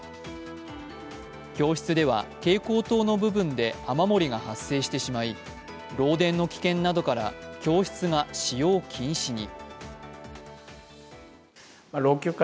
教室では蛍光灯の部分で雨漏りが発生してしまい漏電の危険などから教室が使用禁止に。